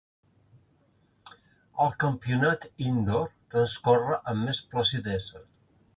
El campionat "indoor" transcorre amb més placidesa.